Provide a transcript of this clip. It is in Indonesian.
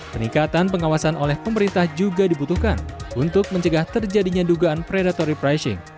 peningkatan pengawasan oleh pemerintah juga dibutuhkan untuk mencegah terjadinya dugaan predatory pricing